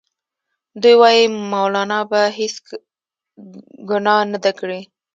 دوی وايي مولنا بله هیڅ ګناه نه ده کړې.